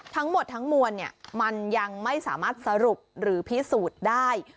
ทั้งหมดทั้งมวลมันยังไม่สามารถสรุปหรือพิสูจน์ได้